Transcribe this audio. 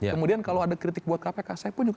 kemudian kalau ada kritik buat kpk saya pun juga